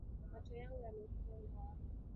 Macho yangu yamefungwa